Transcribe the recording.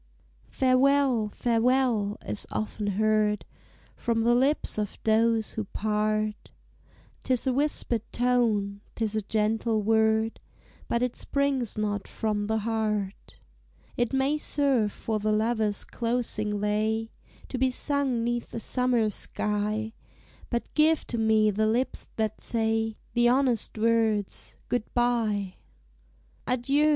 "Farewell! farewell!" is often heard From the lips of those who part: 'Tis a whispered tone, 'tis a gentle word, But it springs not from the heart. It may serve for the lover's closing lay, To be sung 'neath a summer sky; But give to me the lips that say The honest words, "Good bye!" "Adieu!